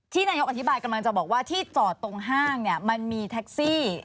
นายกอธิบายกำลังจะบอกว่าที่จอดตรงห้างเนี่ยมันมีแท็กซี่